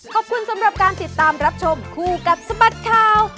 ขอบคุณสำหรับการติดตามรับชมคู่กับสบัดข่าว